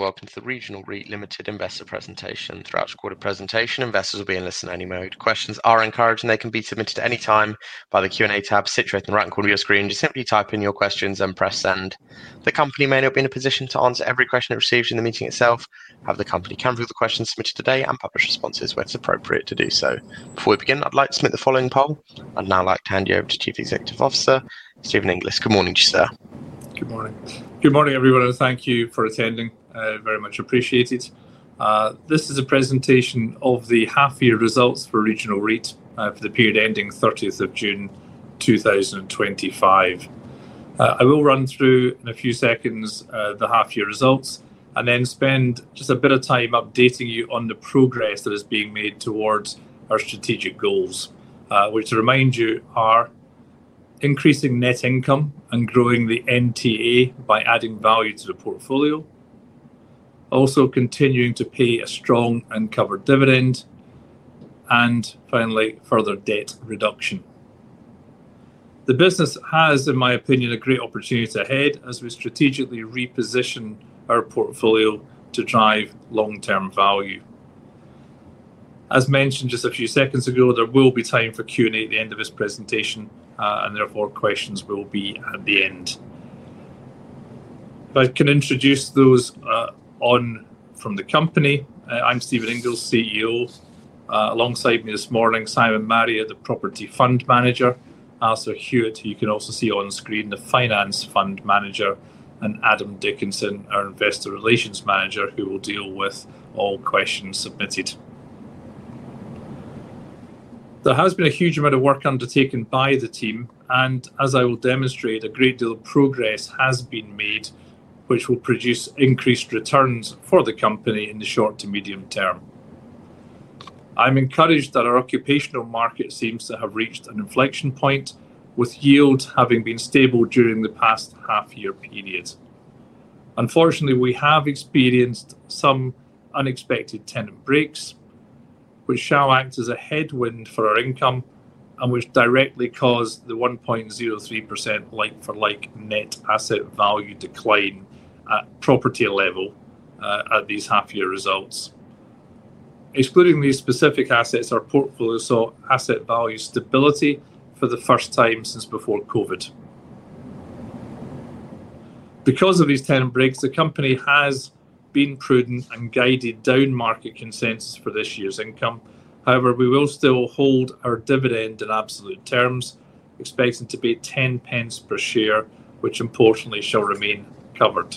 Welcome to the Regional REIT Limited Investor Presentation. Throughout the quarter presentation, investors will be in listen-only mode. Questions are encouraged, and they can be submitted at any time via the Q&A tab situated in the right corner of your screen. You simply type in your questions and press send. The company may not be in a position to answer every question it receives in the meeting itself. However, the company can review the questions submitted today and publish responses where it's appropriate to do so. Before we begin, I'd like to submit the following poll. I'd now like to hand you over to Chief Executive Officer, Stephen Inglis. Good morning to you, sir. Good morning. Good morning, everyone, and thank you for attending. Very much appreciated. This is a presentation of the half-year results for Regional REIT Limited for the period ending 30th of June 2025. I will run through in a few seconds the half-year results and then spend just a bit of time updating you on the progress that is being made towards our strategic goals, which, to remind you, are increasing net income and growing the NTA by adding value to the portfolio, also continuing to pay a strong covered dividend, and finally, further debt reduction. The business has, in my opinion, a great opportunity ahead as we strategically reposition our portfolio to drive long-term value. As mentioned just a few seconds ago, there will be time for Q&A at the end of this presentation, and therefore questions will be at the end. If I can introduce those on from the company, I'm Stephen Inglis, CEO. Alongside me this morning, Simon Marrier, the Property Fund Manager, Alistair Hewitt, who you can also see on screen, the Finance Fund Manager, and Adam Dickinson, our Investor Relations Manager, who will deal with all questions submitted. There has been a huge amount of work undertaken by the team, and as I will demonstrate, a great deal of progress has been made, which will produce increased returns for the company in the short to medium term. I'm encouraged that our occupational market seems to have reached an inflection point, with yield having been stable during the past half-year period. Unfortunately, we have experienced some unexpected tenant breaks, which shall act as a headwind for our income and which directly caused the 1.03% like-for-like net asset value decline at property level at these half-year results. Excluding these specific assets, our portfolio saw asset value stability for the first time since before COVID. Because of these tenant breaks, the company has been prudent and guided down market consensus for this year's income. However, we will still hold our dividend in absolute terms, expecting to be 0.10 per share, which importantly shall remain covered.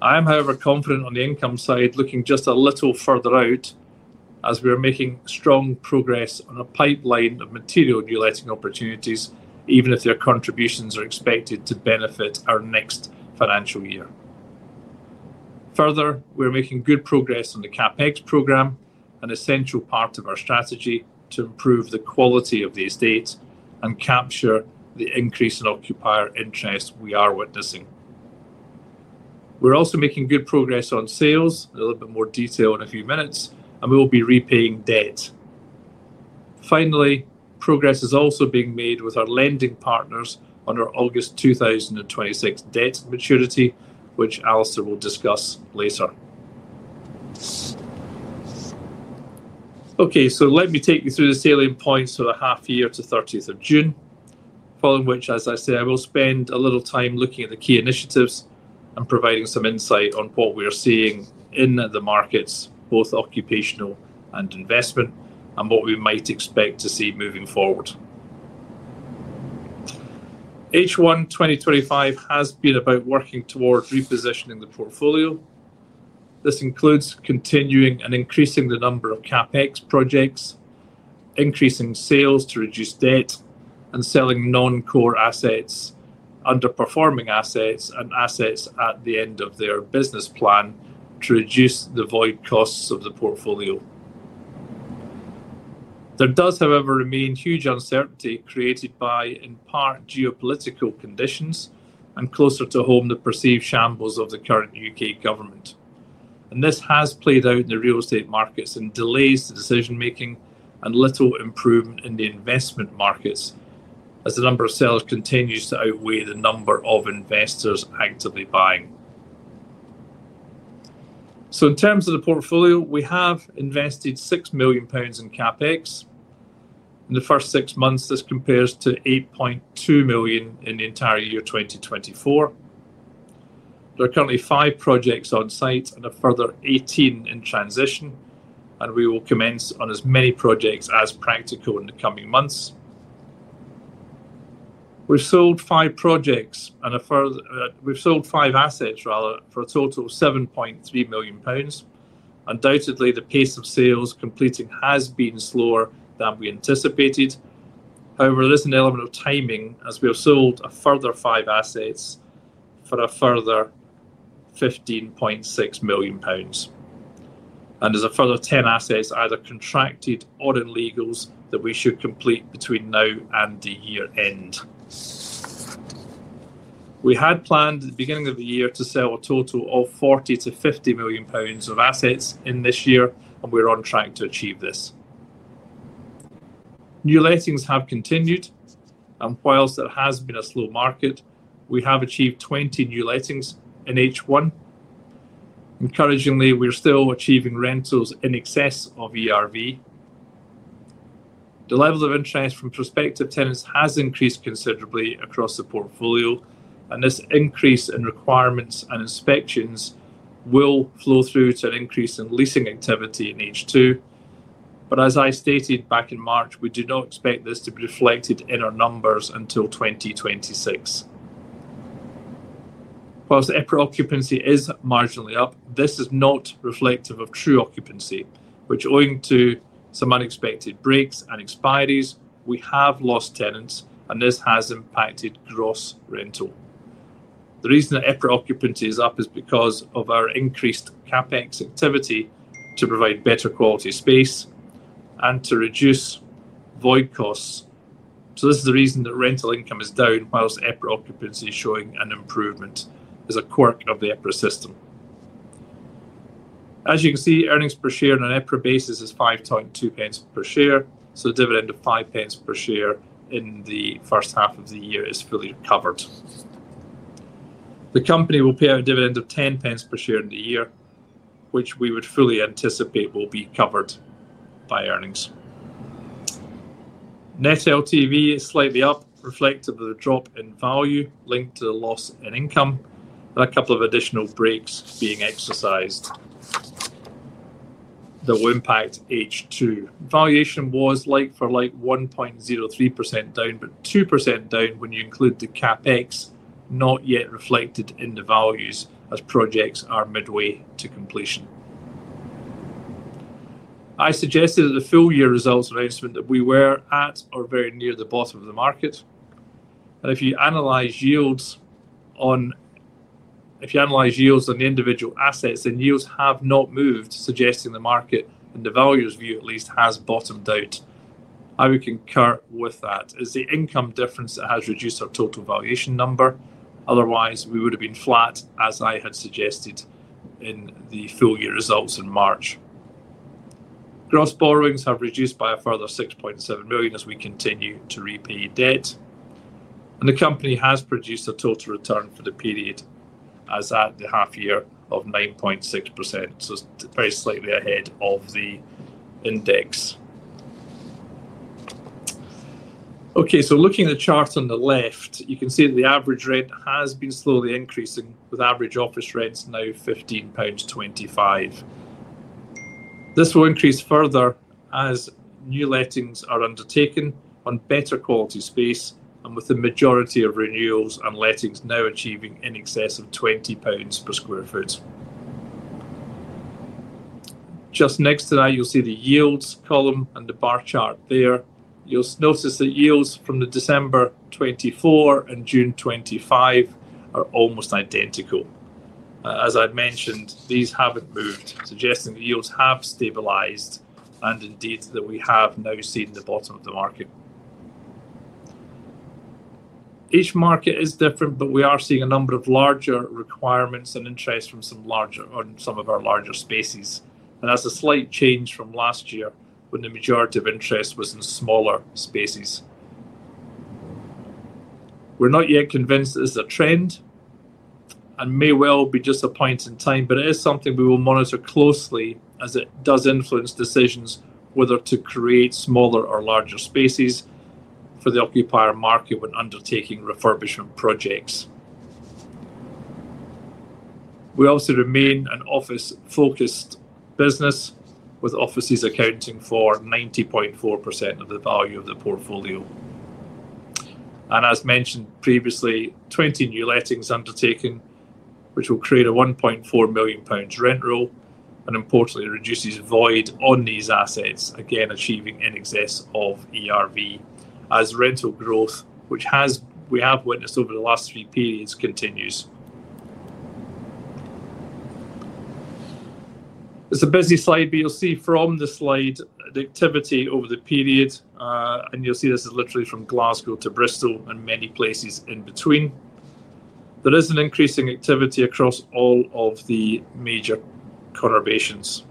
I am, however, confident on the income side, looking just a little further out as we are making strong progress on a pipeline of material new letting opportunities, even if their contributions are expected to benefit our next financial year. Further, we're making good progress on the CapEx program, an essential part of our strategy to improve the quality of these debts and capture the increase in occupier interest we are witnessing. We're also making good progress on sales, a little bit more detail in a few minutes, and we will be repaying debt. Finally, progress is also being made with our lending partners on our August 2026 debt maturity, which Alastair will discuss later. Okay, let me take you through the salient points for the half-year to 30th of June, following which, as I said, I will spend a little time looking at the key initiatives and providing some insight on what we are seeing in the markets, both occupational and investment, and what we might expect to see moving forward. H1 2025 has been about working toward repositioning the portfolio. This includes continuing and increasing the number of CapEx projects, increasing sales to reduce debt, and selling non-core assets, underperforming assets, and assets at the end of their business plan to reduce the void costs of the portfolio. There does, however, remain huge uncertainty created by, in part, geopolitical conditions and closer to home, the perceived shambles of the current U.K. government. This has played out in the real estate markets and delays the decision-making and little improvement in the investment markets as the number of sales continues to outweigh the number of investors actively buying. In terms of the portfolio, we have invested 6 million pounds in CapEx. In the first six months, this compares to 8.2 million in the entire year 2024. There are currently five projects on site and a further 18 in transition, and we will commence on as many projects as practical in the coming months. We've sold five assets for a total of 7.3 million pounds. Undoubtedly, the pace of sales completing has been slower than we anticipated. However, there's an element of timing as we've sold a further five assets for a further 15.6 million pounds. There's a further 10 assets either contracted or in legals that we should complete between now and the year end. We had planned at the beginning of the year to sell a total of 40 million to 50 million pounds of assets in this year, and we're on track to achieve this. New lettings have continued, and whilst it has been a slow market, we have achieved 20 new lettings in H1. Encouragingly, we're still achieving rentals in excess of ERV. The level of interest from prospective tenants has increased considerably across the portfolio, and this increase in requirements and inspections will flow through to an increase in leasing activity in H2. As I stated back in March, we do not expect this to be reflected in our numbers until 2026. Whilst EPRA occupancy is marginally up, this is not reflective of true occupancy, which, owing to some unexpected breaks and expires, we have lost tenants, and this has impacted gross rental. The reason that EPRA occupancy is up is because of our increased CapEx activity to provide better quality space and to reduce void costs. This is the reason that rental income is down, whilst EPRA occupancy is showing an improvement as a quirk of the EPRA system. As you can see, earnings per share on an EPRA basis is 0.052 per share, so the dividend of 0.05 per share in the first half of the year is fully covered. The company will pay a dividend of 0.10 per share in the year, which we would fully anticipate will be covered by earnings. Net LTV is slightly up, reflective of the drop in value linked to the loss in income, and a couple of additional breaks being exercised that will impact H2. Valuation was like-for-like 1.03% down, but 2% down when you include the CapEx not yet reflected in the values as projects are midway to completion. I suggested at the full year results announcement that we were at or very near the bottom of the market. If you analyze yields on individual assets, then yields have not moved, suggesting the market, in the valuer's view at least, has bottomed out. I would concur with that. It's the income difference that has reduced our total valuation number. Otherwise, we would have been flat, as I had suggested in the full year results in March. Gross borrowings have reduced by a further 6.7 million as we continue to repay debt. The company has produced a total return for the period as at the half year of 9.6%, so it's very slightly ahead of the index. Looking at the chart on the left, you can see that the average rent has been slowly increasing, with average office rents now 15.25 pounds. This will increase further as new lettings are undertaken on better quality space and with the majority of renewals and lettings now achieving in excess of 20 pounds per sq ft. Just next to that, you'll see the yields column and the bar chart there. You'll notice that yields from December 2024 and June 2025 are almost identical. As I mentioned, these haven't moved, suggesting yields have stabilized, and indeed that we have now seen the bottom of the market. Each market is different, but we are seeing a number of larger requirements and interest from some larger on some of our larger spaces. That's a slight change from last year when the majority of interest was in smaller spaces. We're not yet convinced that it's a trend and may well be just a point in time, but it is something we will monitor closely as it does influence decisions whether to create smaller or larger spaces for the occupier market when undertaking refurbishment projects. We also remain an office-focused business, with offices accounting for 90.4% of the value of the portfolio. As mentioned previously, 20 new lettings undertaken, which will create a 1.4 million pounds rent roll and importantly reduce these voids on these assets, again achieving in excess of ERV as rental growth, which we have witnessed over the last three periods, continues. This is a busy slide, but you'll see from the slide the activity over the period, and you'll see this is literally from Glasgow to Bristol and many places in between. There is an increasing activity across all of the major conurbations.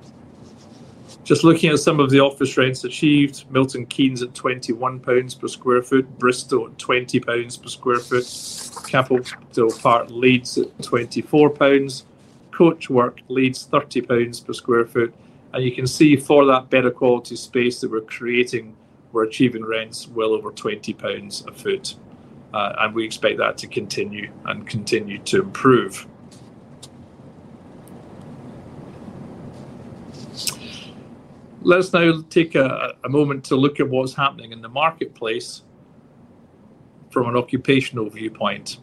Just looking at some of the office rents achieved, Milton Keynes at 21 pounds per sq ft, Bristol at 20 pounds per sq ft, Capital Park Leeds at 24 pounds per sq ft, Coach Work Leeds 30 pounds per sq ft. You can see for that better quality space that we're creating, we're achieving rents well over 20 pounds a foot. We expect that to continue and continue to improve. Let's now take a moment to look at what's happening in the marketplace from an occupational viewpoint.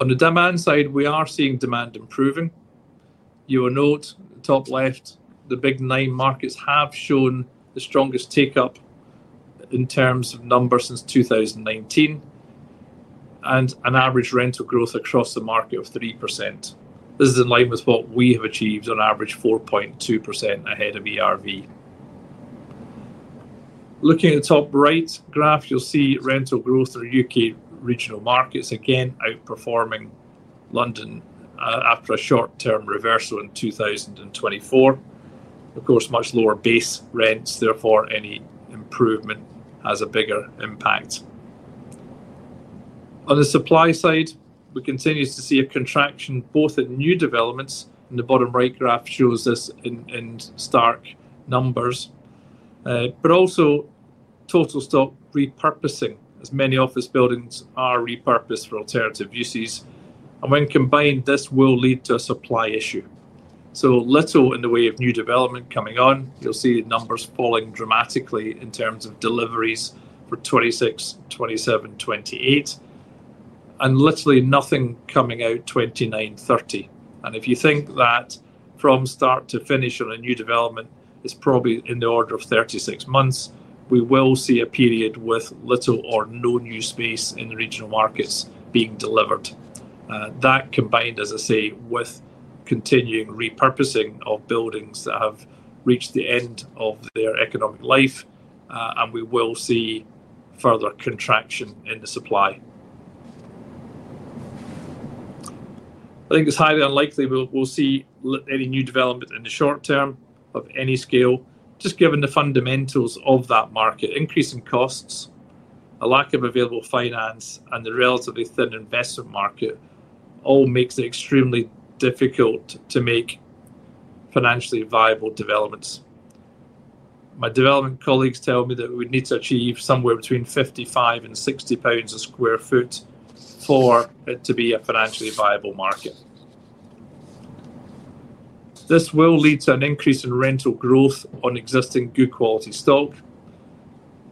On the demand side, we are seeing demand improving. You will note top left, the big nine markets have shown the strongest take-up in terms of numbers since 2019, and an average rental growth across the market of 3%. This is in line with what we have achieved on average, 4.2% ahead of ERV. Looking at the top right graph, you'll see rental growth in the U.K. regional markets again outperforming London after a short-term reversal in 2024. Of course, much lower base rents, therefore any improvement has a bigger impact. On the supply side, we continue to see a contraction both in new developments, and the bottom right graph shows this in stark numbers, but also total stock repurposing as many office buildings are repurposed for alternative uses. When combined, this will lead to a supply issue. With so little in the way of new development coming on, you'll see numbers falling dramatically in terms of deliveries for 2026, 2027, 2028, and literally nothing coming out in 2029, 2030. If you think that from start to finish on a new development, it's probably in the order of 36 months, we will see a period with little or no new space in the regional markets being delivered. That, combined with continuing repurposing of buildings that have reached the end of their economic life, will lead to further contraction in the supply. I think it's highly unlikely we'll see any new development in the short term of any scale, just given the fundamentals of that market. Increasing costs, a lack of available finance, and the relatively thin investment market all make it extremely difficult to make financially viable developments. My development colleagues tell me that we would need to achieve somewhere between 55 and 60 pounds a square foot for it to be a financially viable market. This will lead to an increase in rental growth on existing good quality stock,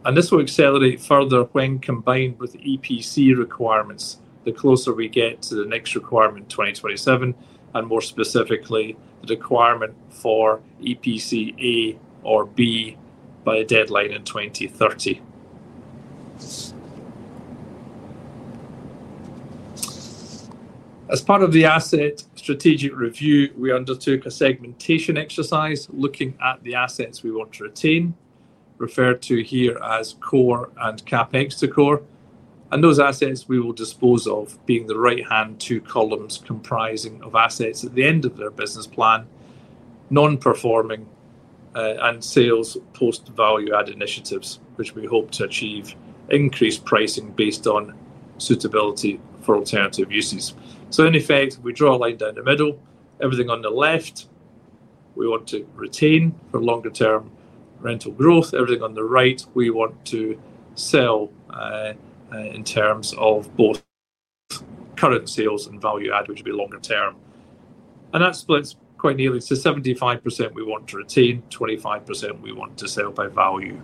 and this will accelerate further when combined with the EPC requirements, the closer we get to the next requirement in 2027, and more specifically the requirement for EPC A or B by a deadline in 2030. As part of the asset strategic review, we undertook a segmentation exercise looking at the assets we want to retain, referred to here as core and CapEx to core, and those assets we will dispose of being the right-hand two columns comprising of assets at the end of their business plan, non-performing, and sales post-value-add initiatives, which we hope to achieve increased pricing based on suitability for alternative uses. In effect, we draw a line down the middle. Everything on the left, we want to retain for longer-term rental growth. Everything on the right, we want to sell in terms of both current sales and value add, which would be longer term. That splits quite neatly. So 75% we want to retain, 25% we want to sell by value.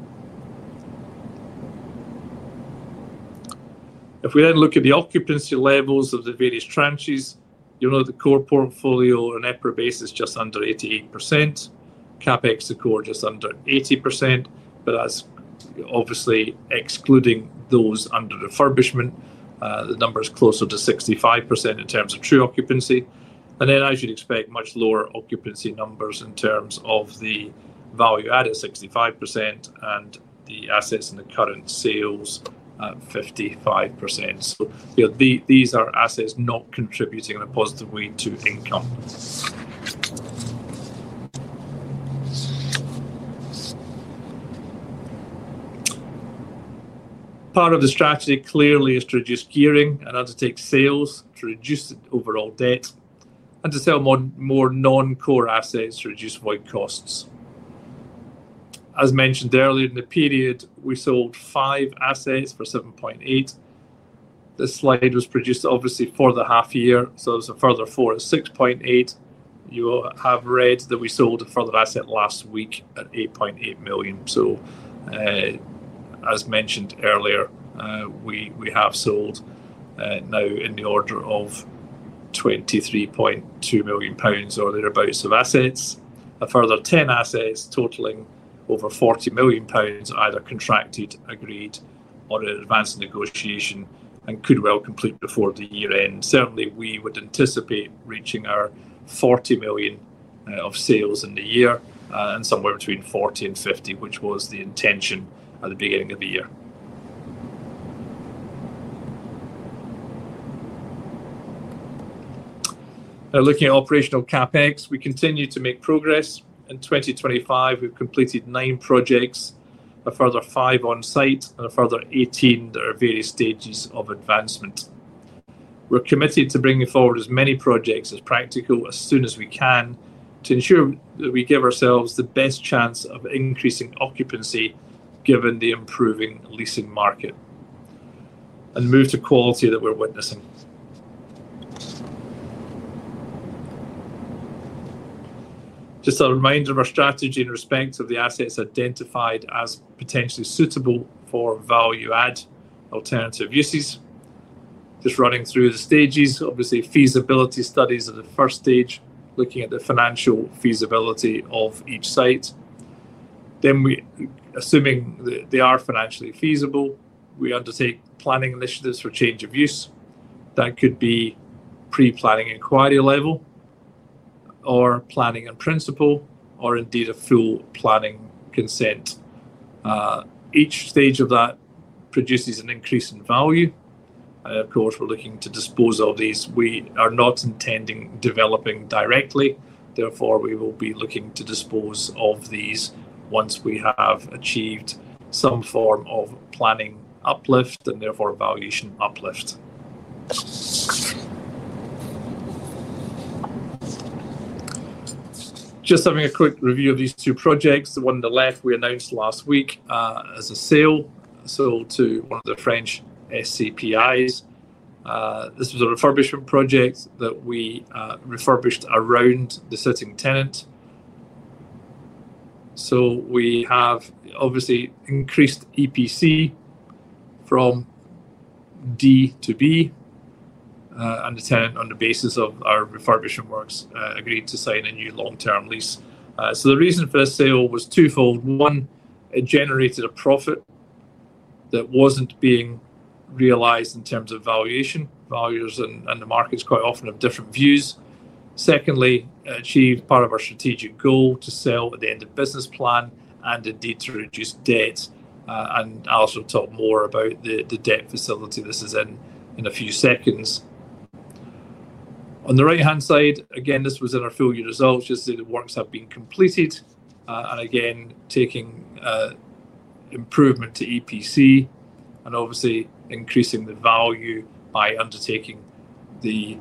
If we then look at the occupancy levels of the various tranches, you'll note the core portfolio on an EPRA basis is just under 88%, CapEx to core just under 80%, but as obviously excluding those under refurbishment, the number is closer to 65% in terms of true occupancy. As you'd expect, much lower occupancy numbers in terms of the value add at 65% and the assets in the current sales at 55%. These are assets not contributing in a positive way to income. Part of the strategy clearly is to reduce gearing and undertake sales to reduce the overall debt and to sell more non-core assets to reduce void costs. As mentioned earlier, in the period we sold five assets for 7.8 million. This slide was produced obviously for the half year, so it's a further four at 6.8 million. You have read that we sold a further asset last week at 8.8 million. As mentioned earlier, we have sold now in the order of 23.2 million pounds of assets, a further 10 assets totaling over 40 million pounds either contracted, agreed, or in advanced negotiation and could well complete before the year end. Certainly, we would anticipate reaching our 40 million of sales in the year and somewhere between 40 million and 50 million, which was the intention at the beginning of the year. Looking at operational CapEx, we continue to make progress. In 2025, we've completed nine projects, a further five on site, and a further 18 that are at various stages of advancement. We're committed to bringing forward as many projects as practical as soon as we can to ensure that we give ourselves the best chance of increasing occupancy given the improving leasing market and move to quality that we're witnessing. Just a reminder of our strategy in respect of the assets identified as potentially suitable for value-add alternative uses. Running through the stages, feasibility studies are the first stage, looking at the financial feasibility of each site. Assuming that they are financially feasible, we undertake planning initiatives for change of use. That could be pre-planning inquiry level or planning in principle or indeed a full planning consent. Each stage of that produces an increase in value. We are looking to dispose of these. We are not intending developing directly. Therefore, we will be looking to dispose of these once we have achieved some form of planning uplift and therefore valuation uplift. Having a quick review of these two projects, the one on the left, we announced last week as a sale sold to one of the French SCPIs. This was a refurbishment project that we refurbished around the sitting tenant. We have increased EPC from D to B, and the tenant, on the basis of our refurbishment works, agreed to sign a new long-term lease. The reason for the sale was twofold. One, it generated a profit that wasn't being realised in terms of valuation. Values and the markets quite often have different views. Secondly, it achieved part of our strategic goal to sell at the end of the business plan and indeed to reduce debt. I'll also talk more about the debt facility this is in in a few seconds. On the right-hand side, again, this was in our full year results. You'll see the works have been completed and again taking improvement to EPC and obviously increasing the value by undertaking the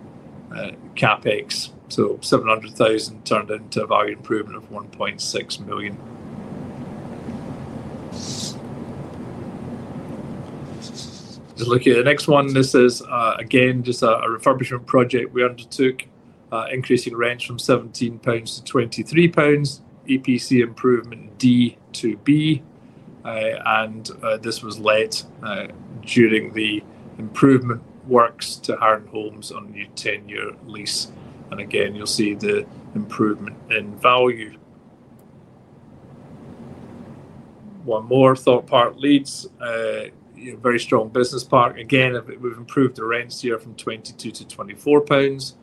CapEx. 700,000 turned into a value improvement of 1.6 million. Looking at the next one, this is again just a refurbishment project. We undertook increasing rents from 17 pounds to 23 pounds, EPC improvement in D to B, and this was led during the improvement works to Hernd Holmes on a new 10-year lease. You'll see the improvement in value. One more thought part leads, you know, very strong business part. We've improved the rents here from 22 to 24 pounds.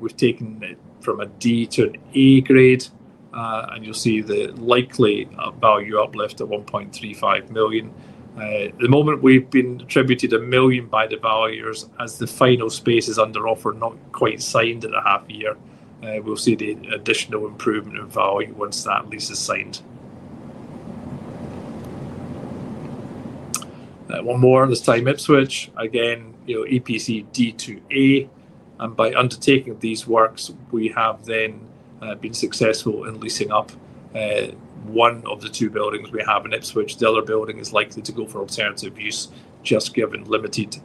We've taken it from a D to an A grade, and you'll see the likely value uplift at 1.35 million. The moment we've been attributed 1 million by the valuers as the final space is under offer, not quite signed in the half year, we'll see the additional improvement in value once that lease is signed. One more on this time Ipswich. Again, you know, EPC D to A, and by undertaking these works, we have then been successful in leasing up one of the two buildings we have in Ipswich. The other building is likely to go for alternative use, just given limited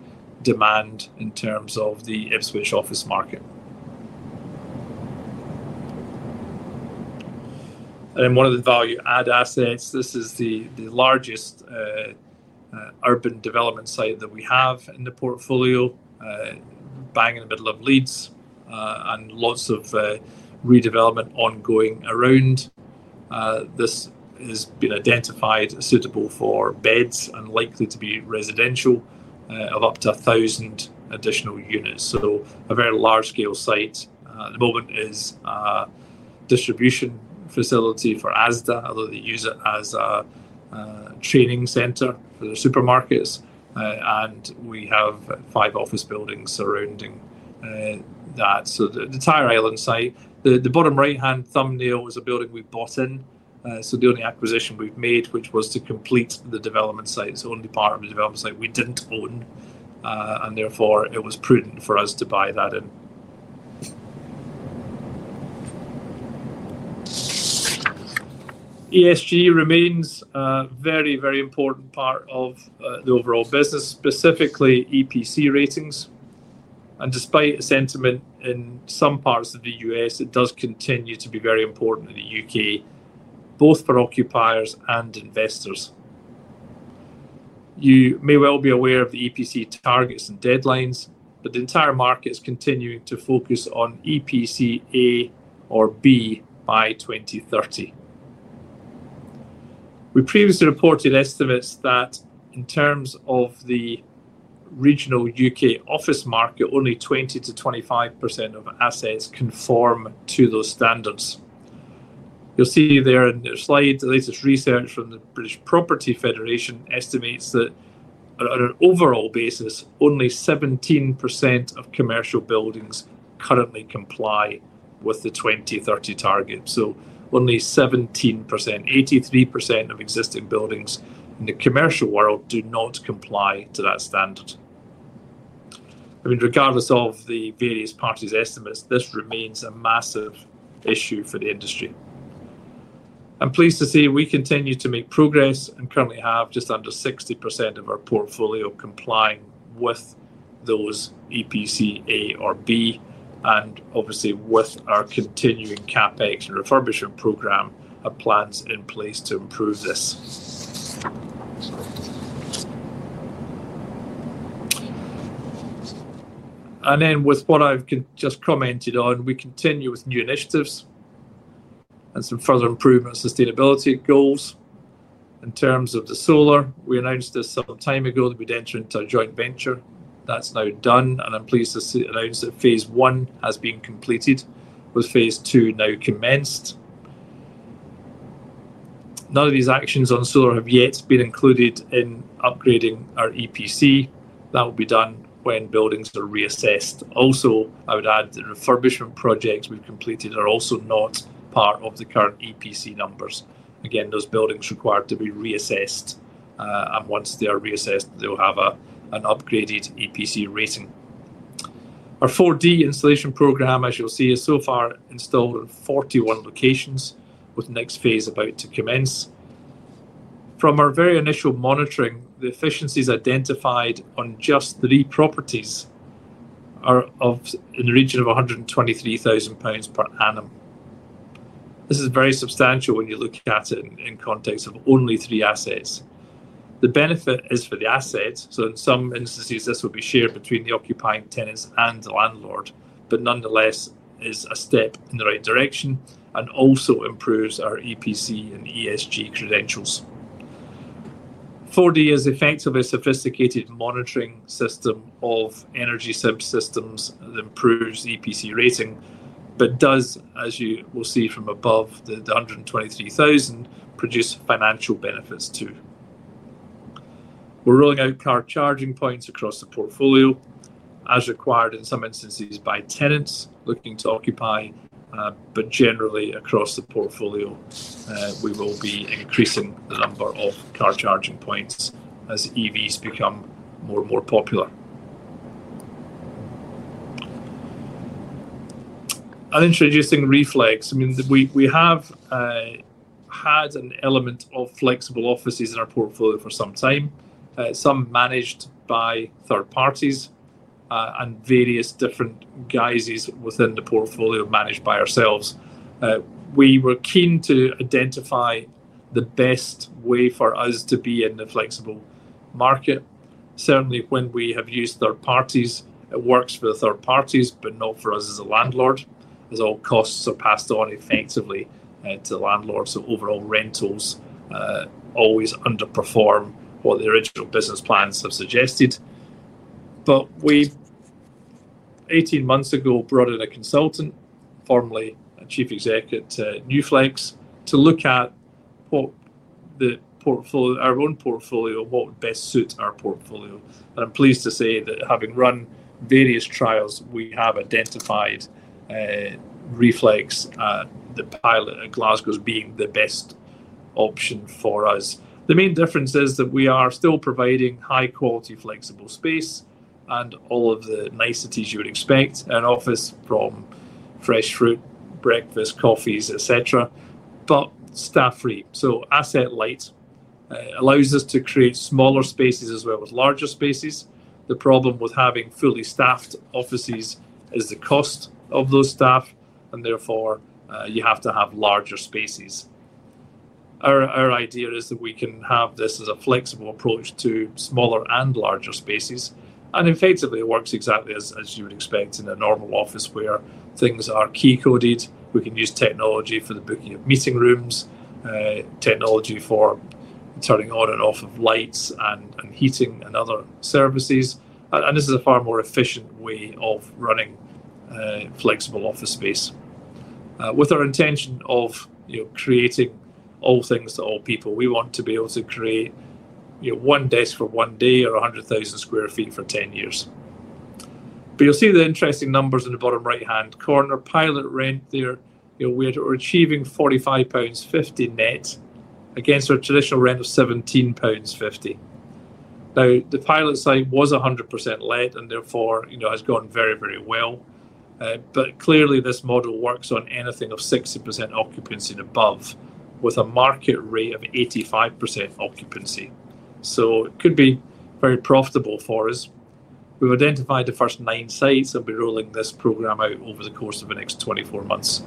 demand in terms of the Ipswich office market. One of the value-add assets, this is the largest urban development site that we have in the portfolio, bang in the middle of Leeds, and lots of redevelopment ongoing around. This has been identified as suitable for beds and likely to be residential of up to 1,000 additional units. A very large-scale site. The moment is a distribution facility for ASDA, although they use it as a training center for the supermarkets, and we have five office buildings surrounding that. The Tyre Island site, the bottom right-hand thumbnail was a building we bought in. The only acquisition we've made, which was to complete the development site, is only part of a development site we didn't own, and therefore it was prudent for us to buy that in. ESG remains a very, very important part of the overall business, specifically EPC ratings. Despite sentiment in some parts of the U.S., it does continue to be very important in the U.K., both for occupiers and investors. You may well be aware of the EPC targets and deadlines, but the entire market is continuing to focus on EPC A or B by 2030. We previously reported estimates that in terms of the regional U.K. office market, only 20%-25% of assets conform to those standards. You'll see there in their slide, the latest research from the British Property Federation estimates that on an overall basis, only 17% of commercial buildings currently comply with the 2030 target. Only 17%, 83% of existing buildings in the commercial world do not comply to that standard. Regardless of the various parties' estimates, this remains a massive issue for the industry. I'm pleased to say we continue to make progress and currently have just under 60% of our portfolio complying with those EPC A or B, and obviously with our continuing CapEx and refurbishment program, have plans in place to improve this. With what I've just commented on, we continue with new initiatives and some further improvement on sustainability goals. In terms of the solar, we announced this some time ago that we'd enter into a joint venture. That's now done, and I'm pleased to announce that phase I has been completed, with phase II now commenced. None of these actions on solar have yet been included in upgrading our EPC. That will be done when buildings are reassessed. Also, I would add the refurbishment projects we've completed are also not part of the current EPC numbers. Again, those buildings require to be reassessed, and once they are reassessed, they'll have an upgraded EPC rating. Our 4D installation program, as you'll see, is so far installed in 41 locations, with the next phase about to commence. From our very initial monitoring, the efficiencies identified on just three properties are in the region of 123,000 pounds per annum. This is very substantial when you look at it in context of only three assets. The benefit is for the assets, so in some instances, this will be shared between the occupying tenants and the landlord, but nonetheless is a step in the right direction and also improves our EPC and ESG credentials. 4D is effectively a sophisticated monitoring system of energy systems that improves the EPC rating, but does, as you will see from above, the 123,000 produce financial benefits too. We're rolling out car charging points across the portfolio, as required in some instances by tenants looking to occupy, but generally across the portfolio, we will be increasing the number of car charging points as EVs become more and more popular. Introducing Reflex, I mean, we have had an element of flexible offices in our portfolio for some time, some managed by third parties, and various different guises within the portfolio managed by ourselves. We were keen to identify the best way for us to be in the flexible market. Certainly, when we have used third parties, it works for the third parties, but not for us as a landlord, as all costs are passed on effectively to the landlord. Overall rentals always underperform what the original business plans have suggested. We, 18 months ago, brought in a consultant, formerly a Chief Executive to Newflex, to look at what the portfolio, our own portfolio, what would best suit our portfolio. I'm pleased to say that having run various trials, we have identified Reflex, the pilot in Glasgow, as being the best option for us. The main difference is that we are still providing high-quality flexible space and all of the niceties you would expect in an office from fresh fruit, breakfast, coffees, etc., but staff free. Asset light allows us to create smaller spaces as well as larger spaces. The problem with having fully staffed offices is the cost of those staff, and therefore you have to have larger spaces. Our idea is that we can have this as a flexible approach to smaller and larger spaces. It works exactly as you would expect in a normal office where things are key coded. We can use technology for the booking of meeting rooms, technology for turning on and off of lights and heating and other services. This is a far more efficient way of running flexible office space. With our intention of creating all things to all people, we want to be able to create one desk for one day or 100,000 sq ft for 10 years. You'll see the interesting numbers in the bottom right-hand corner, pilot rent there, where we're achieving 45.50 pounds net against our traditional rent of 17.50 pounds. The pilot site was 100% let and therefore has gone very, very well. Clearly, this model works on anything of 60% occupancy and above, with a market rate of 85% occupancy. It could be very profitable for us. We've identified the first nine sites and we'll be rolling this program out over the course of the next 24 months.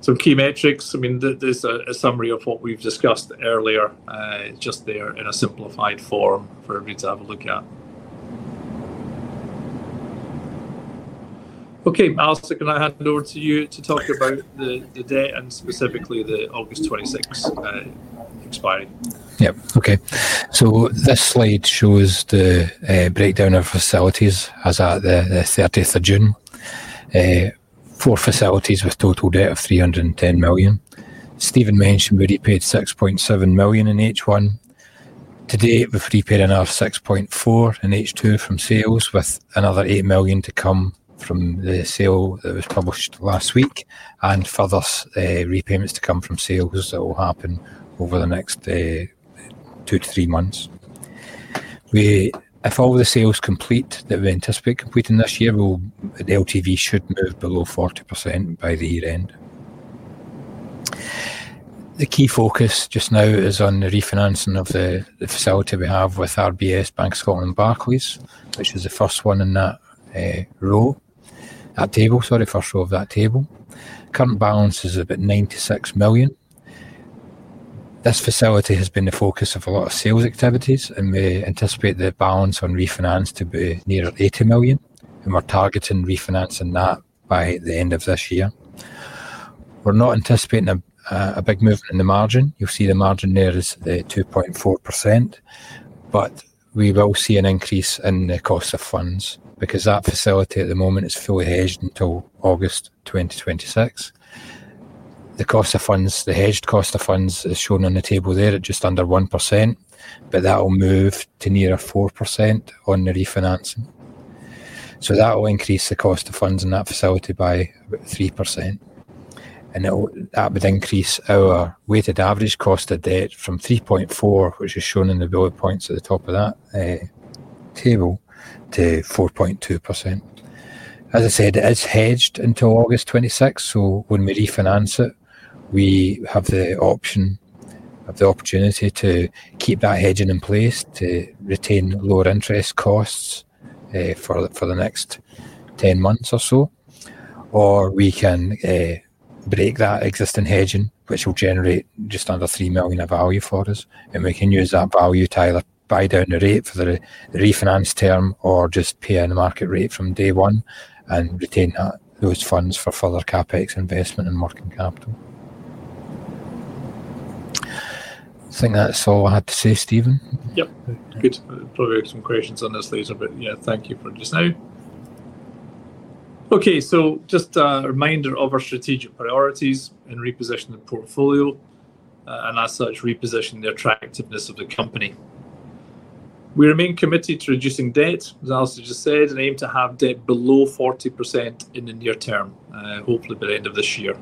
Some key metrics, I mean, there's a summary of what we've discussed earlier, just there in a simplified form for me to have a look at. Okay, Alastair, can I hand it over to you to talk about the debt and specifically the August 2026 expiry? Yeah, okay. This slide shows the breakdown of facilities as at the 30th of June. Four facilities with a total debt of 310 million. Stephen mentioned we repaid 6.7 million in H1. Today, we've repaid another 6.4 million in H2 from sales, with another 8 million to come from the sale that was published last week and further repayments to come from sales. Those will happen over the next two to three months. If all the sales complete that we anticipate completing this year, the LTV should move below 40% by the year-end. The key focus just now is on the refinancing of the facility we have with RBS and Barclays, which is the first one in that row, that table, sorry, first row of that table. Current balance is about 96 million. This facility has been the focus of a lot of sales activities, and we anticipate the balance on refinance to be near 80 million. We're targeting refinancing that by the end of this year. We're not anticipating a big move in the margin. You'll see the margin there is 2.4%, but we will see an increase in the cost of funds because that facility at the moment is fully hedged until August 2026. The cost of funds, the hedged cost of funds is shown on the table there at just under 1%, but that will move to near 4% on the refinancing. That will increase the cost of funds in that facility by 3%. That would increase our weighted average cost of debt from 3.4%, which is shown in the bullet points at the top of that table, to 4.2%. It is hedged until August 2026. When we refinance it, we have the option, have the opportunity to keep that hedging in place to retain lower interest costs for the next 10 months or so. We can break that existing hedging, which will generate just under 3 million in value for us. We can use that value to either buy down the rate for the refinance term or just pay in the market rate from day one and retain those funds for fuller CapEx investment and working capital. I think that's all I had to say, Stephen. Yeah, good. Probably have some questions on this later, but yeah, thank you for just now. Okay, just a reminder of our strategic priorities in repositioning the portfolio and as such, repositioning the attractiveness of the company. We remain committed to reducing debt, as Alastair just said, and aim to have debt below 40% in the near term, hopefully by the end of this year.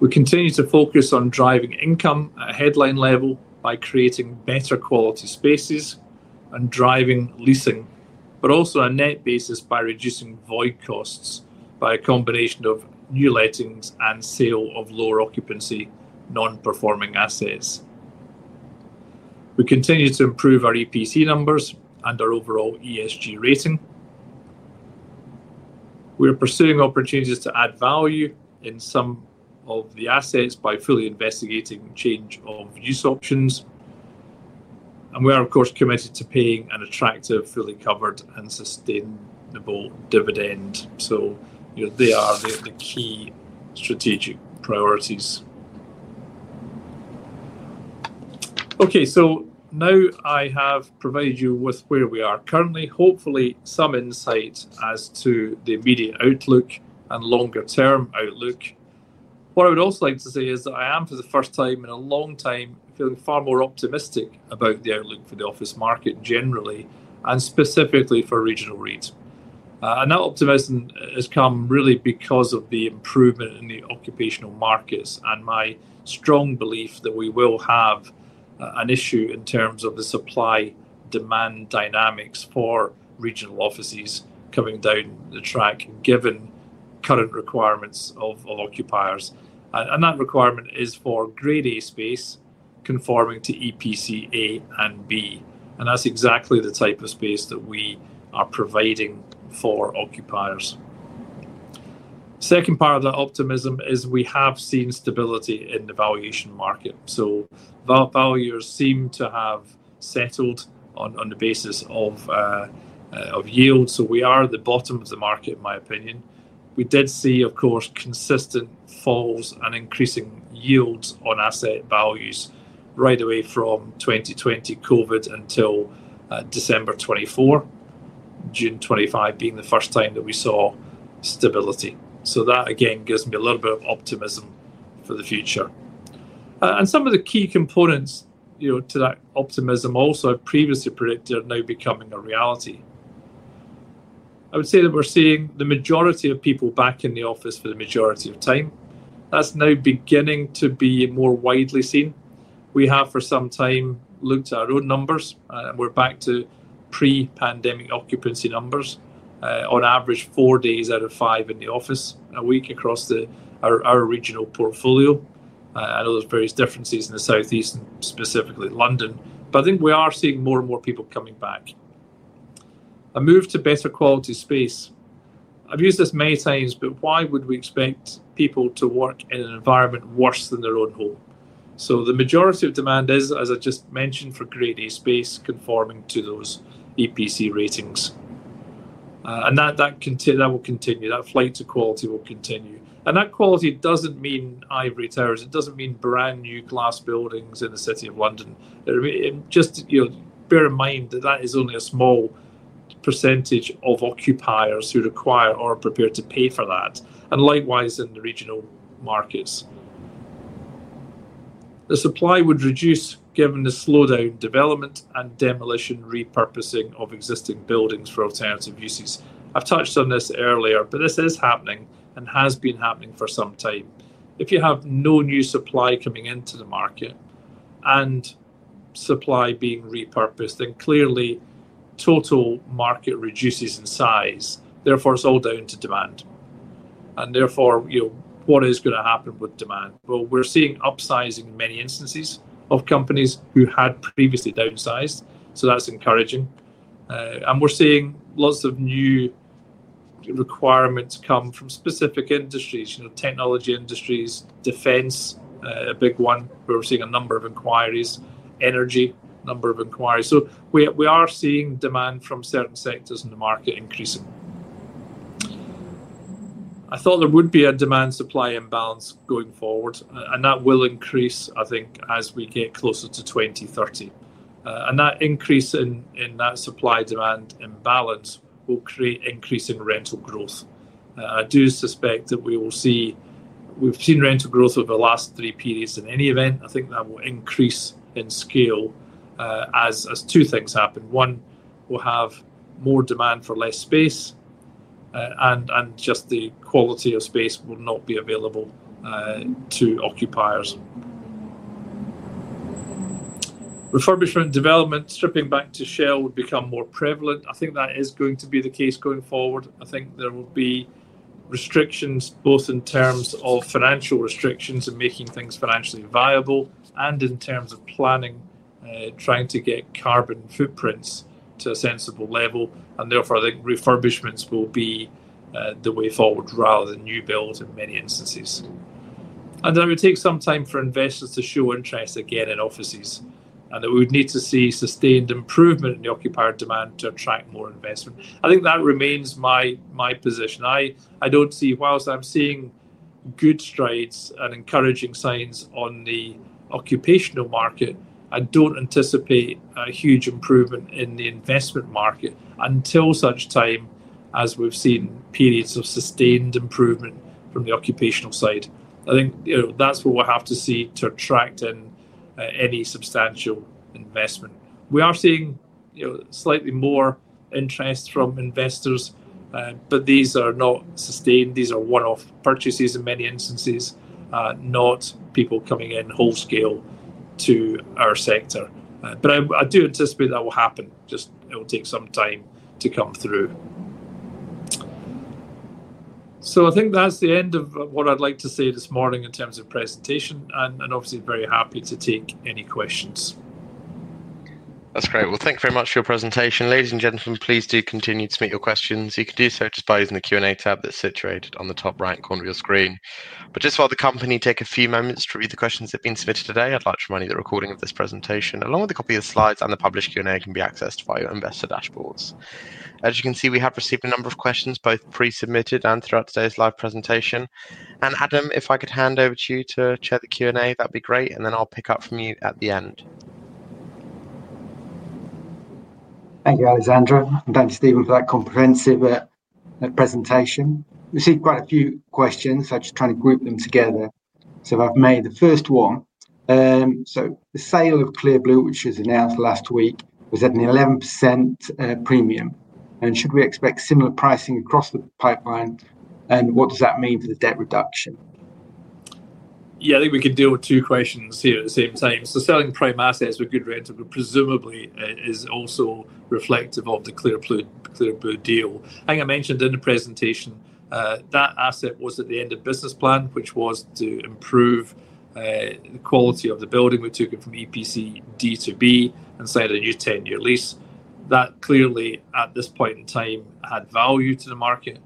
We continue to focus on driving income at a headline level by creating better quality spaces and driving leasing, but also on a net basis by reducing void costs by a combination of new lettings and sale of lower occupancy, non-performing assets. We continue to improve our EPC numbers and our overall ESG rating. We're pursuing opportunities to add value in some of the assets by fully investigating change of use options. We are, of course, committed to paying an attractive, fully covered, and sustainable dividend. They are the key strategic priorities. Now I have provided you with where we are currently, hopefully some insight as to the immediate outlook and longer-term outlook. What I would also like to say is that I am, for the first time in a long time, feeling far more optimistic about the outlook for the office market generally, and specifically for Regional REIT. That optimism has come really because of the improvement in the occupational markets and my strong belief that we will have an issue in terms of the supply-demand dynamics for regional offices coming down the track and given current requirements of occupiers. That requirement is for Grade A space conforming to EPC A and B. That's exactly the type of space that we are providing for occupiers. The second part of that optimism is we have seen stability in the valuation market. Values seem to have settled on the basis of yield. We are at the bottom of the market, in my opinion. We did see, of course, consistent falls and increasing yields on asset values right away from 2020 COVID until December 2024, June 2025 being the first time that we saw stability. That again gives me a little bit of optimism for the future. Some of the key components to that optimism also I've previously predicted are now becoming a reality. I would say that we're seeing the majority of people back in the office for the majority of time. That's now beginning to be more widely seen. We have for some time looked at our own numbers, and we're back to pre-pandemic occupancy numbers. On average, four days out of five in the office a week across our regional portfolio. I know there's various differences in the Southeast and specifically London, but I think we are seeing more and more people coming back. A move to better quality space. I've used this many times, but why would we expect people to work in an environment worse than their own home? The majority of demand is, as I just mentioned, for Grade A space conforming to those EPC ratings. That will continue. That flight to quality will continue. That quality doesn't mean ivory towers. It doesn't mean brand new glass buildings in the City of London. Just bear in mind that that is only a small percentage of occupiers who require or are prepared to pay for that. Likewise in the regional markets, the supply would reduce given the slowdown in development and demolition repurposing of existing buildings for alternative uses. I've touched on this earlier, but this is happening and has been happening for some time. If you have no new supply coming into the market and supply being repurposed, then clearly total market reduces in size. Therefore, it's all down to demand. What is going to happen with demand? We're seeing upsizing in many instances of companies who had previously downsized. That's encouraging. We're seeing lots of new requirements come from specific industries, technology industries, defense, a big one. We're seeing a number of inquiries, energy, a number of inquiries. We are seeing demand from certain sectors in the market increasing. I thought there would be a demand-supply imbalance going forward, and that will increase, I think, as we get closer to 2030. That increase in that supply-demand imbalance will create increasing rental growth. I do suspect that we will see, we've seen rental growth over the last three periods. In any event, I think that will increase in scale as two things happen. One will have more demand for less space, and just the quality of space will not be available to occupiers. Refurbishment development, stripping back to shell, would become more prevalent. I think that is going to be the case going forward. I think there will be restrictions both in terms of financial restrictions and making things financially viable and in terms of planning, trying to get carbon footprints to a sensible level. Therefore, I think refurbishments will be the way forward rather than new builds in many instances. It would take some time for investors to show interest again in offices, and we would need to see sustained improvement in the occupier demand to attract more investment. I think that remains my position. I don't see, whilst I'm seeing good strides and encouraging signs on the occupational market, I don't anticipate a huge improvement in the investment market until such time as we've seen periods of sustained improvement from the occupational side. I think that's what we'll have to see to attract in any substantial investment. We are seeing slightly more interest from investors, but these are not sustained. These are one-off purchases in many instances, not people coming in whole scale to our sector. I do anticipate that will happen. It will take some time to come through. I think that's the end of what I'd like to say this morning in terms of presentation, and obviously very happy to take any questions. That's great. Thank you very much for your presentation. Ladies and gentlemen, please do continue to submit your questions. You can do so just by using the Q&A tab that's situated on the top right corner of your screen. Just while the company takes a few moments to read the questions that have been submitted today, I'd like to remind you that the recording of this presentation, along with a copy of the slides and the published Q&A, can be accessed via your investor dashboards. As you can see, we have received a number of questions, both pre-submitted and throughout today's live presentation. Adam, if I could hand over to you to check the Q&A, that'd be great. I'll pick up from you at the end. Thank you, Alexandra. And thanks, Stephen, for that comprehensive presentation. We received quite a few questions. I just grouped them together. I've made the first one. The sale of Clearblue, which was announced last week, was at an 11% premium. Should we expect similar pricing across the pipeline? What does that mean for the debt reduction? Yeah, I think we could deal with two questions here at the same time. Selling Primark assets with good rent presumably is also reflective of the Clearblue deal. I think I mentioned in the presentation that asset was at the end of business plan, which was to improve the quality of the building. We took it from EPC D to B and signed a new 10-year lease. That clearly, at this point in time, had value to the market.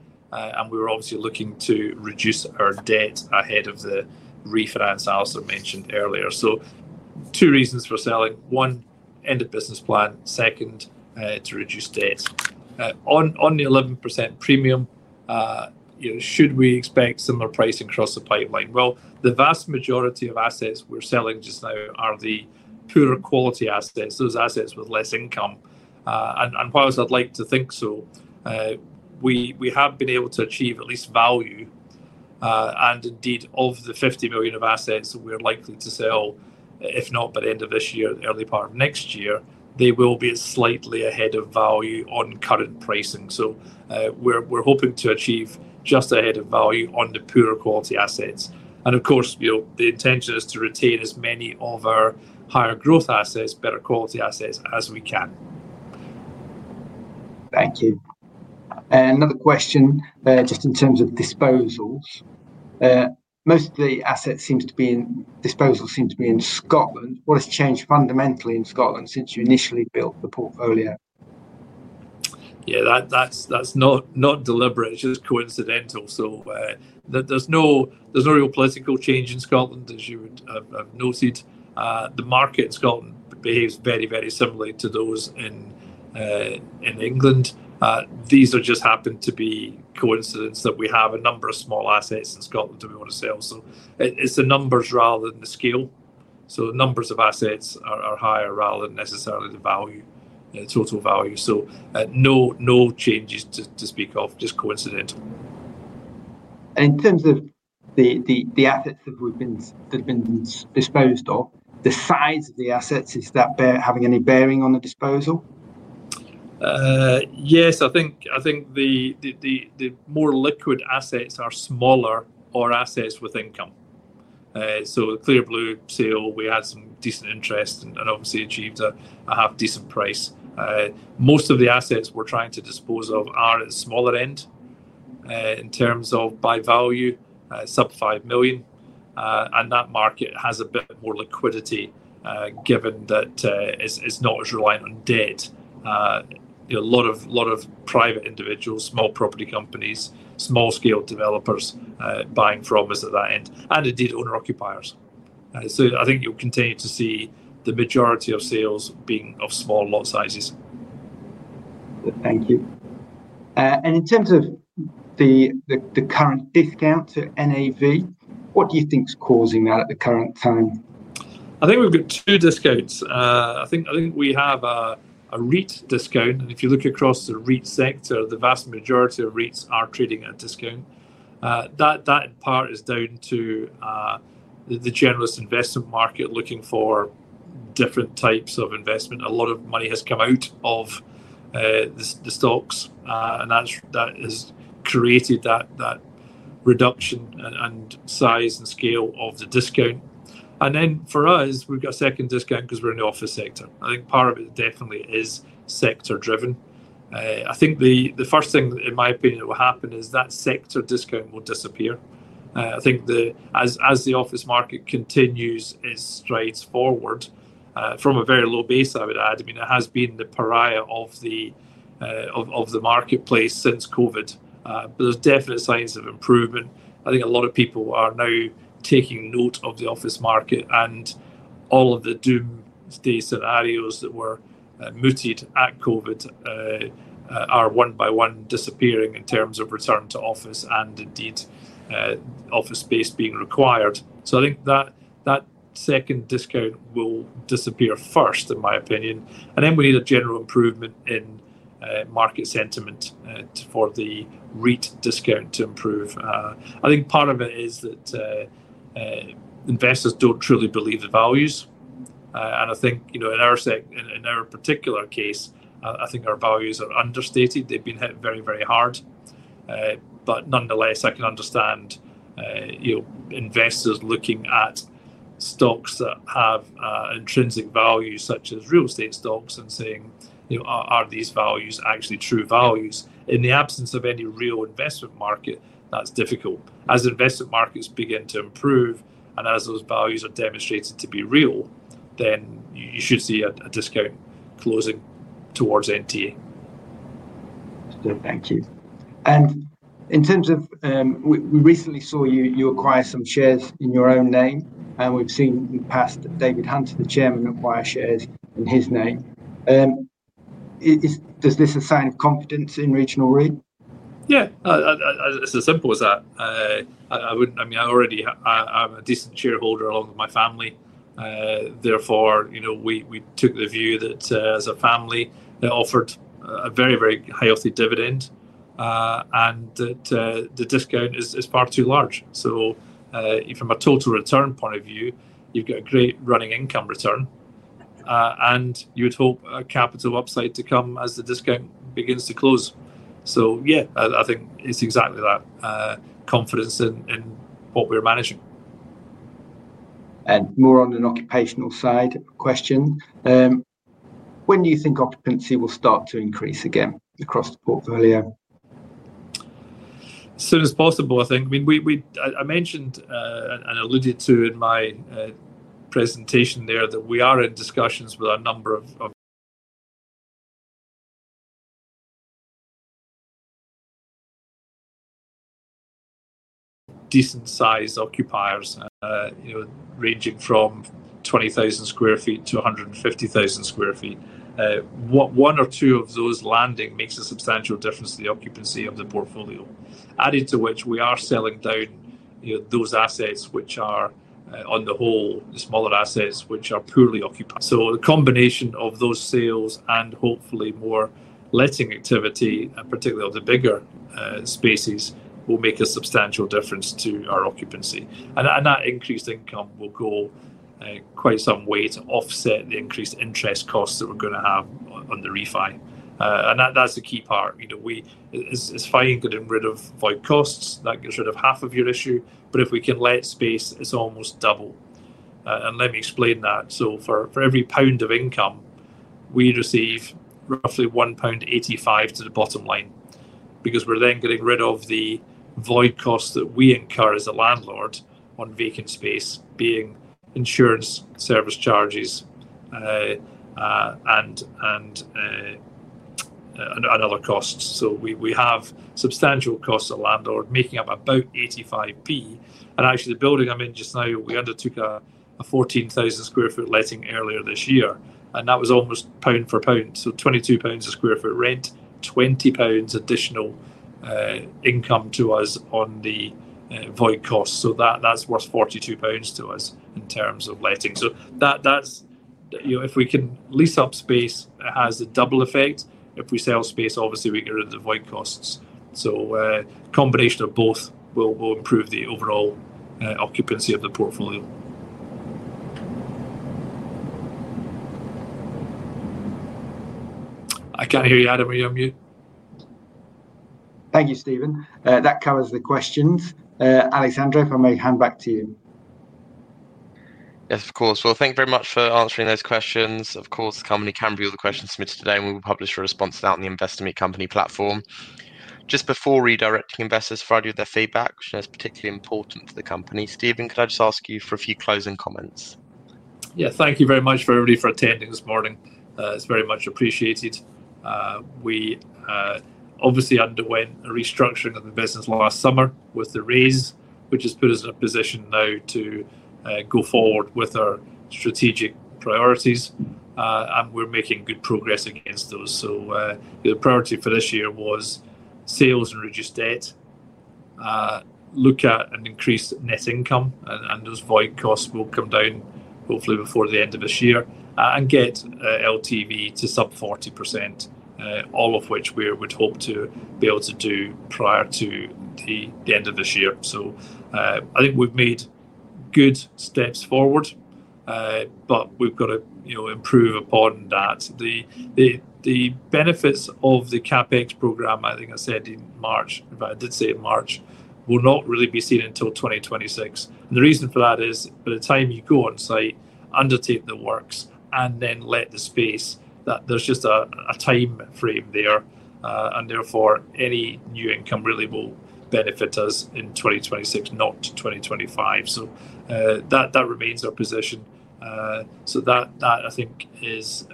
We were obviously looking to reduce our debt ahead of the refinance I also mentioned earlier. Two reasons for selling: one, end of business plan; second, to reduce debt. On the 11% premium, should we expect similar pricing across the pipeline? The vast majority of assets we're selling just now are the poorer quality assets, those assets with less income. Whilst I'd like to think so, we have been able to achieve at least value. Indeed, of the 50 million of assets that we're likely to sell, if not by the end of this year, the early part of next year, they will be slightly ahead of value on current pricing. We're hoping to achieve just ahead of value on the poorer quality assets. Of course, the intention is to retain as many of our higher growth assets, better quality assets as we can. Thank you. Another question, just in terms of disposals. Most of the assets seem to be in, disposals seem to be in Scotland. What has changed fundamentally in Scotland since you initially built the portfolio? Yeah, that's not deliberate. It's just coincidental. There's no real political change in Scotland, as you have noted. The market in Scotland behaves very, very similarly to those in England. These just happen to be coincidences that we have a number of small assets in Scotland that we want to sell. It's the numbers rather than the scale. The numbers of assets are higher rather than necessarily the total value. No changes to speak of, just coincidental. In terms of the assets that have been disposed of, the size of the assets, is that having any bearing on the disposal? Yes, I think the more liquid assets are smaller or assets with income. The Clearblue sale, we had some decent interest and obviously achieved a half decent price. Most of the assets we're trying to dispose of are at the smaller end in terms of by value, sub 5 million. That market has a bit more liquidity given that it's not as reliant on debt. A lot of private individuals, small property companies, small-scale developers buying from us at that end, and indeed owner-occupiers. I think you'll continue to see the majority of sales being of small lot sizes. Thank you. In terms of the current discount to NAV, what do you think is causing that at the current time? I think we've got two discounts. I think we have a REIT discount. If you look across the REIT sector, the vast majority of REITs are trading at a discount. That part is down to the generalist investment market looking for different types of investment. A lot of money has come out of the stocks, and that has created that reduction in size and scale of the discount. For us, we've got a second discount because we're in the office sector. I think part of it definitely is sector-driven. I think the first thing, in my opinion, that will happen is that sector discount will disappear. I think as the office market continues its strides forward from a very low base, I would add. It has been the pariah of the marketplace since COVID, but there's definite signs of improvement. I think a lot of people are now taking note of the office market and all of the doomsday scenarios that were mooted at COVID are one by one disappearing in terms of return to office and indeed office space being required. I think that second discount will disappear first, in my opinion. We need a general improvement in market sentiment for the REIT discount to improve. I think part of it is that investors don't truly believe the values. In our particular case, I think our values are understated. They've been hit very, very hard. Nonetheless, I can understand investors looking at stocks that have intrinsic values such as real estate stocks and saying, are these values actually true values? In the absence of any real investment market, that's difficult. As investment markets begin to improve and as those values are demonstrated to be real, then you should see a discount closing towards NTA. Thank you. In terms of, we recently saw you acquire some shares in your own name, and we've seen in the past that David Hunter, the Chairman, acquires shares in his name. Does this assign confidence in Regional REIT? Yeah, it's as simple as that. I would, I mean, I already am a decent shareholder along with my family. Therefore, you know, we took the view that as a family, they offered a very, very healthy dividend and that the discount is far too large. From a total return point of view, you've got a great running income return, and you'd hope a capital upside to come as the discount begins to close. I think it's exactly that, confidence in what we're managing. On an occupational side question, when do you think occupancy will start to increase again across the portfolio? As soon as possible, I think. I mean, I mentioned and alluded to in my presentation there that we are in discussions with a number of decent-sized occupiers, you know, ranging from 20,000 sq ft to 150,000 sq ft. One or two of those landing makes a substantial difference to the occupancy of the portfolio, added to which we are selling down those assets which are, on the whole, the smaller assets which are poorly occupied. A combination of those sales and hopefully more letting activity, particularly of the bigger spaces, will make a substantial difference to our occupancy. That increased income will go quite some way to offset the increased interest costs that we're going to have on the refinancing. That's the key part. It's fine getting rid of void costs. That gets rid of half of your issue. If we can let space, it's almost double. Let me explain that. For every pound of income, we receive roughly 1.85 pound to the bottom line because we're then getting rid of the void costs that we incur as a landlord on vacant space, being insurance, service charges, and other costs. We have substantial costs as a landlord making up about 0.85. Actually, the building I'm in just now, we undertook a 14,000 sq ft letting earlier this year, and that was almost pound for pound. 22 pounds a sq ft rent, 20 pounds additional income to us on the void costs. That's worth 42 pounds to us in terms of letting. If we can lease up space, it has a double effect. If we sell space, obviously we get rid of the void costs. A combination of both will improve the overall occupancy of the portfolio. I can't hear you, Adam. Are you on mute? Thank you, Stephen. That covers the questions. Alexandra, if I may hand back to you. Yes, of course. Thank you very much for answering those questions. Of course, the company can review the questions submitted today, and we will publish the responses out on the Investor Meet Company platform. Just before redirecting investors for idea of their feedback, which is particularly important to the company, Stephen, could I just ask you for a few closing comments? Thank you very much for everybody for attending this morning. It's very much appreciated. We obviously underwent a restructuring of the business last summer with the REITs, which has put us in a position now to go forward with our strategic priorities, and we're making good progress against those. The priority for this year was sales and reduced debt, look at an increased net income, and those void costs will come down hopefully before the end of this year and get LTV to sub 40%, all of which we would hope to be able to do prior to the end of this year. I think we've made good steps forward, but we've got to improve upon that. The benefits of the CapEx program, I think I said in March, but I did say in March, will not really be seen until 2026. The reason for that is by the time you go on site, undertake the works, and then let the space, there's just a time frame there, and therefore any new income really will benefit us in 2026, not 2025. That remains our position. I think that is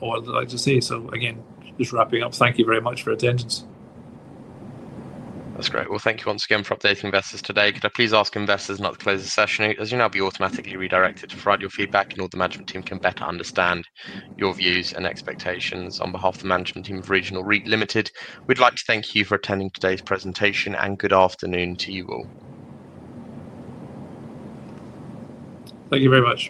all I'd like to say. Again, just wrapping up, thank you very much for attendance. That's great. Thank you once again for updating investors today. Could I please ask investors not to close the session? As you know, you'll be automatically redirected to provide your feedback so the management team can better understand your views and expectations. On behalf of the management team of Regional REIT Limited, we'd like to thank you for attending today's presentation and good afternoon to you all. Thank you very much.